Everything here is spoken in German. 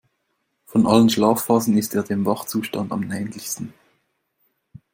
Von allen Schlafphasen ist er dem Wachzustand am ähnlichsten.